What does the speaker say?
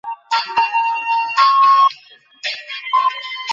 ভারতের সংবিধান বিশ্বের সার্বভৌম রাষ্ট্রগুলির মধ্যে বৃহত্তম লিখিত সংবিধান।